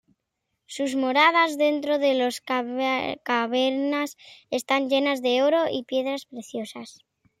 Sus moradas dentro de las cavernas están llenas de oro y piedras preciosas.